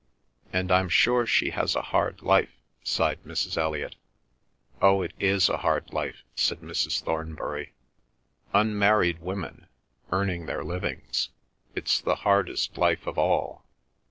"And I'm sure she has a hard life," sighed Mrs. Elliot. "Oh, it is a hard life," said Mrs. Thornbury. "Unmarried women—earning their livings—it's the hardest life of all."